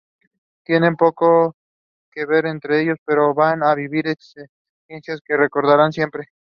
Inside ordination hall features murals mixed between Ayutthaya and Chinese arts.